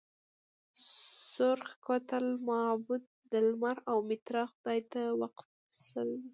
د سورخ کوتل معبد د لمر او میترا خدای ته وقف شوی و